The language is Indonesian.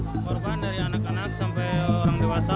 korban dari anak anak sampai orang dewasa